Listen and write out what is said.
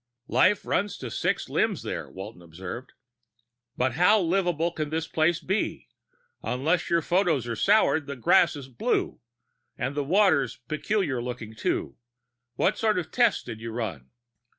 "Life runs to six limbs there," Walton observed. "But how livable can this place be? Unless your photos are sour, that grass is blue ... and the water's peculiar looking, too. What sort of tests did you run?"